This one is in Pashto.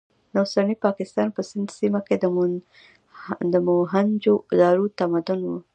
د اوسني پاکستان په سند سیمه کې د موهنجو دارو تمدن و.